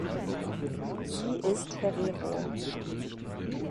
Sie ist Herero.